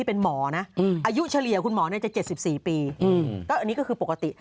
เป็นหมอนะอายุเฉลี่ยคุณหมอจะ๗๔ปีอันนี้ก็คือปกติ